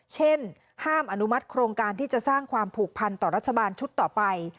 เช่นห้ามอนุมัติโครงการที่จะสร้างความผูกพันต่อรัฐบาลชุดต่อไป